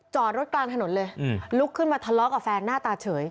จอดรถกลางถนนเลยลุกขึ้นมาทะเลาะกับแฟนหน้าตาเฉย